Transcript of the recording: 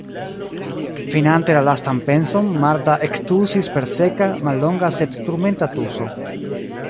Finante la lastan penson, Marta ektusis per seka, mallonga sed turmenta tuso.